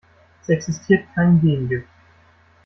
Es existiert kein Gegengift.